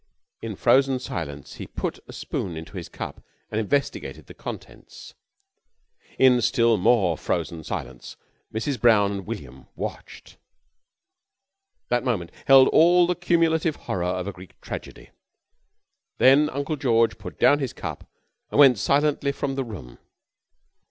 In frozen silence he put a spoon into his cup and investigated the contents. In still more frozen silence Mrs. Brown and William watched. That moment held all the cumulative horror of a Greek tragedy. Then Uncle George put down his cup and went silently from the room.